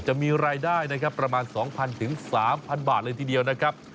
จะมีรายได้นะครับประมาณ๒๐๐๓๐๐บาทเลยทีเดียวนะครับ